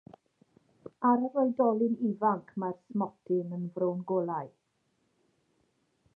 Ar yr oedolyn ifanc mae'r smotyn yn frown golau.